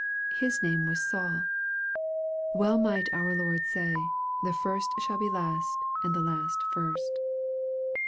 His name was Saul. Well might our Lord say, " the first shall be last ; and the last first."